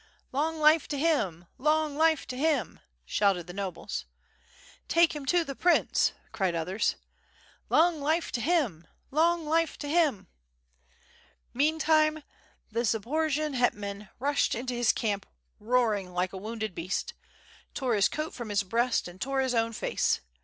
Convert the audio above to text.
..." "Long life to him! long life to him!" shouted the nobles. "Take him to the prince," cried others. "Long life to him! Long life to him!" Meantime the Zaporojian hetman rushed into his camp roaring like a wounded beast, tore his coat from his breast and tore his own face.